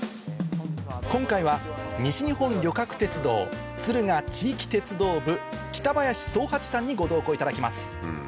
今回は西日本旅客鉄道敦賀地域鉄道部北林荘八さんにご同行いただきます